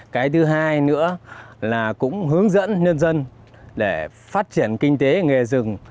cái thứ hai nữa là cũng hướng dẫn nhân dân để phát triển kinh tế nghề rừng